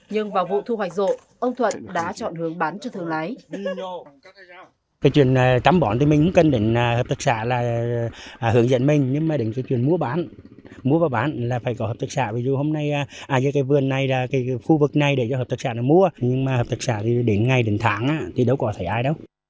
nhưng vào vụ thu hoạch rộ ông thuận đã chọn hướng bán cho thương lái